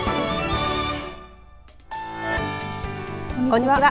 こんにちは。